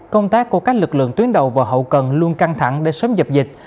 công tác của các lực lượng tuyến đầu và hậu cần luôn căng thẳng để sớm dập dịch